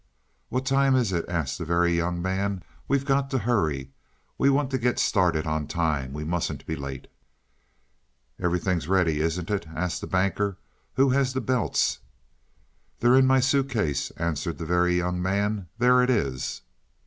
"What time is it?" asked the Very Young Man. "We've got to hurry. We want to get started on time we mustn't be late." "Everything's ready, isn't it?" asked the Banker. "Who has the belts?" "They're in my suitcase," answered the Very Young Man. "There it is."